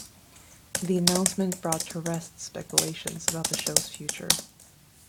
The announcement brought to rest speculation about the show's future.